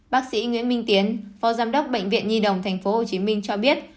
bác sĩ nguyễn minh tiến phó giám đốc bệnh viện nhi đồng tp hcm cho biết